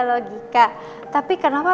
logika tapi kenapa